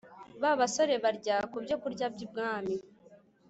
ba basore barya ku byokurya by’umwami